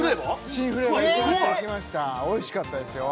新フレーバーいきましたおいしかったですよ